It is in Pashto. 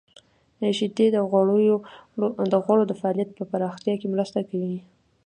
• شیدې د غړو د فعالیت په پراختیا کې مرسته کوي.